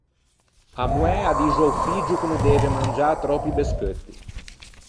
A moæ a dixe a-o figgio ch’o no deve mangiâ tròppi bescheutti.